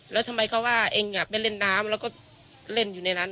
แล้วทำไมเขาว่าเองไปเล่นน้ำแล้วก็เล่นอยู่ในนั้น